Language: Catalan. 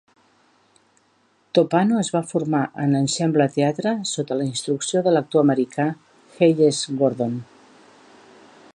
Toppano es va formar a Ensemble Theatre sota la instrucció de l'actor americà Hayes Gordon.